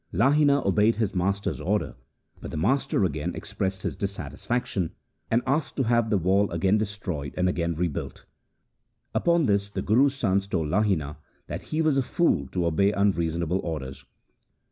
Lahina obeyed his master's order, but the master again expressed his dissatisfaction, and asked to have the wall again destroyed and again rebuilt. Upon this the Guru's sons told Lahina that he was a fool to obey unreasonable orders.